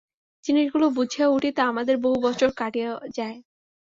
জিনিষগুলি বুঝিয়া উঠিতে আমাদের বহু বৎসর কাটিয়া যায়।